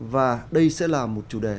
và đây sẽ là một chủ đề